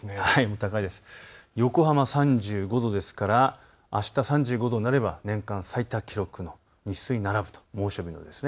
横浜３５度ですからあした３５度になれば年間最多記録の日数になるということです。